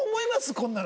こんなの。